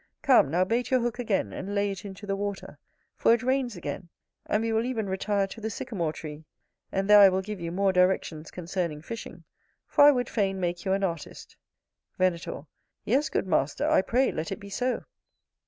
Come, now bait your hook again, and lay it into the water, for it rains again; and we will even retire to the Sycamore tree, and there I will give you more directions concerning fishing, for I would fain make you an artist. Venator. Yes, good master, I pray let it be so.